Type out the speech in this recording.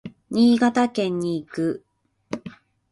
新潟県に行く。